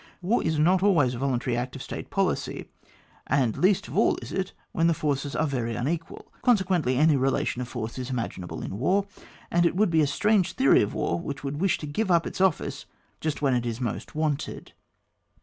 War is not always a volun tary act of state policy, and least of all is it so when the forces are very unequal: consequently, any relation of forces is imaginable in war, and it would be a strange theory of war which would wish to give up its office just where it is most wanted.